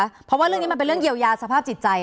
เพราะว่าเรื่องนี้มันเป็นเรื่องเยียวยาสภาพจิตใจ